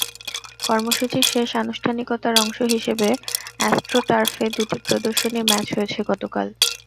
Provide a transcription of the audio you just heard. কর্মসূচির শেষ আনুষ্ঠানিকতার অংশ হিসেবে অ্যাস্ট্রো টার্ফে দুটি প্রদর্শনী ম্যাচ হয়েছে গতকাল।